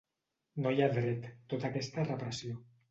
No hi ha dret, tota aquesta repressió.